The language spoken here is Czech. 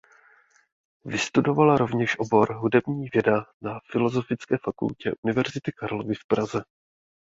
Vystudovala rovněž obor hudební věda na Filozofické fakultě Univerzity Karlovy v Praze.